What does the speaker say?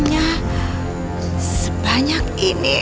uangnya sebanyak ini